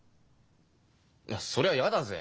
いやそりゃ嫌だぜ。